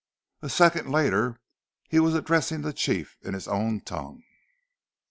A second later he was addressing the chief in his own tongue.